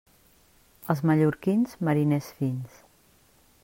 Els mallorquins, mariners fins.